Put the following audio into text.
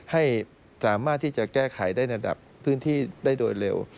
ให้สามารถที่จะแก้ไขได้ระดับพื้นที่ได้โดยเร็ว